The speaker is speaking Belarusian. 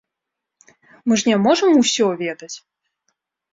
Мы ж не можам усё ведаць!